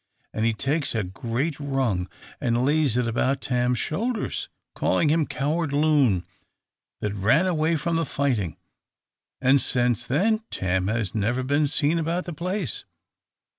And he takes a great rung and lays it about Tarn's shoulders, calling him coward loon, that ran away from the fighting. And since then Tam has never been seen about the place.